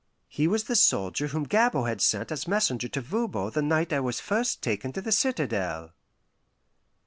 He was the soldier whom Gabord had sent as messenger to Voban the night I was first taken to the citadel.